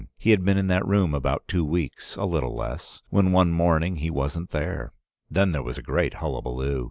He had been in that room about two weeks, a little less, when one morning he wasn't there. Then there was a great hullabaloo.